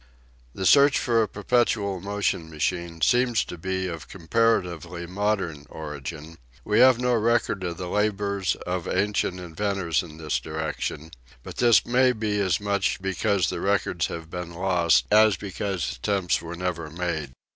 The search for a perpetual motion machine seems to be of comparatively modern origin ; we have no record of the labors of ancient inventors in this direction, but this may be as much because the records have been lost, as because attempts were never made.